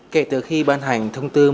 kể từ khi ban hành thông tư